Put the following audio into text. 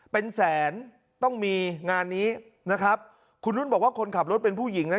เป็นแสนต้องมีงานนี้นะครับคุณนุ่นบอกว่าคนขับรถเป็นผู้หญิงนะ